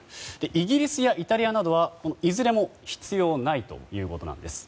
イギリスやイタリアなどはいずれも必要ないということなんです。